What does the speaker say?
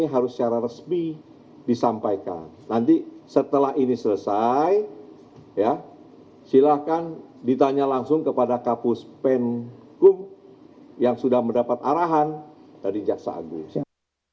sebelumnya jampitsus kejaksaan agung febri ardian sangkat bicara soal dirinya yang sedang diuji untuk menjaga pertumbuhan ekonomi yang sedang dilakukan